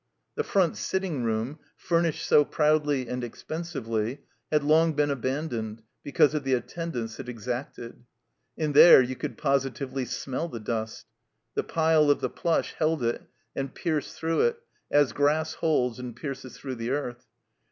The front sitting room, fimiished so proudly and expensively, had been long abandoned because of the attendance it exacted. In there you could I)ositively smeU the dust. The pile of the plush held it and pierced through it, as grass holds and pierces through the earth.